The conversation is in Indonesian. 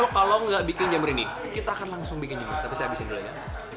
kalau nggak bikin jamur ini kita akan langsung bikinnya tapi saya bisa dulu ya